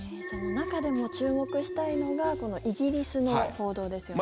中でも注目したいのがイギリスの報道ですよね。